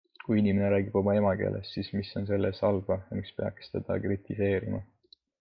Kui inimene räägib oma emakeeles, siis mis on selles halba ja miks peaks teda kritiseerima?